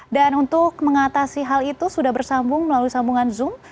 dan untuk mengatasi hal itu sudah bersambung melalui sambungan zoom